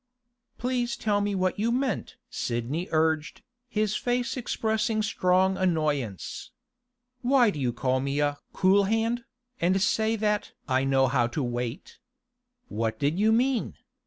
'Please tell me what you meant?' Sidney urged, his face expressing strong annoyance. 'Why do you call me a "cool hand," and say that "I know how to wait"? What did you mean?